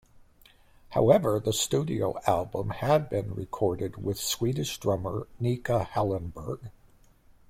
However, the studio album had been recorded with Swedish drummer Nicka Hellenberg.